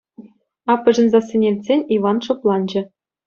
Аппӑшӗн сассине илтсен, Иван шӑпланчӗ.